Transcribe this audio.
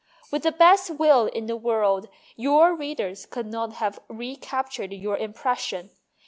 With the best will in the world, your readers could not have recaptured your impression.